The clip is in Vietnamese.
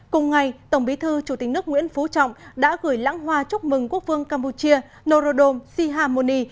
cùng ngày tổng bí thư chủ tịch nước nguyễn phú trọng đã gửi lãng hoa chúc mừng quốc vương campuchia norodom sihamoni